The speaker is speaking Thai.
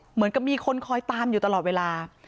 เหมือนกับมีคนคอยตามอยู่ตลอดเวลา